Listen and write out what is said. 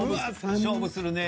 勝負するねぇ。